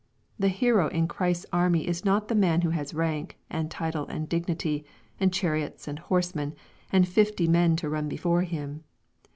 The hero in Christ's army is not the man who has rank, and title, and dignity, and chariots and horsemen, and fifty men to run before him.